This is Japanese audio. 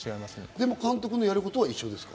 でも監督がやることは一緒ですか？